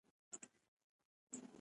هغه د ګلانو او بوټو ته ځمکه نرموله.